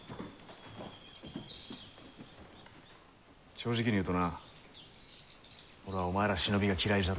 正直に言うとな俺はお前ら忍びが嫌いじゃった。